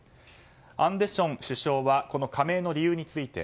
アンデション首相は加盟の理由について